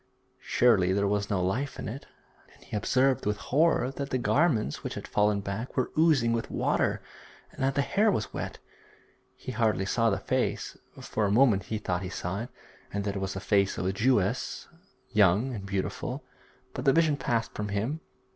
Surely there was no life in it. And he observed with horror that the garments which had fallen back were oozing with water, and that the hair was wet. He hardly saw the face; for a moment he thought he saw it, and that it was the face of a Jewess, young and beautiful, but the vision passed from him.